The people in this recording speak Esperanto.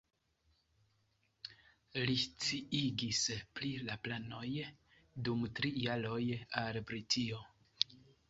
Li sciigis pri la planoj dum tri jaroj al Britio.